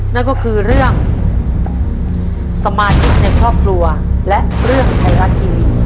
นั่นก็คือเรื่องสมาชิกในครอบครัวและเรื่องไทยรัฐทีวี